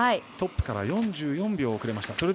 トップから４４秒遅れました。